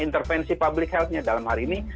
intervensi public health nya dalam hal ini